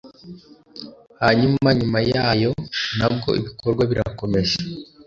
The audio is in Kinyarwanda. hanyuma nyuma yayo nabwo ibikorwa birakomeje